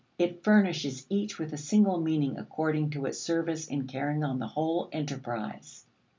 It furnishes each with a single meaning according to its service in carrying on the whole enterprise.